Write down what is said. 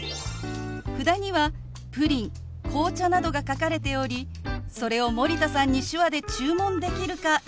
札にはプリン紅茶などが書かれておりそれを森田さんに手話で注文できるか挑戦します。